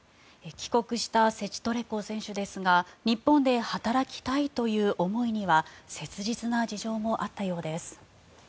帰国したセチトレコ選手ですが日本で働きたいという思いには切実な事情もあったようです。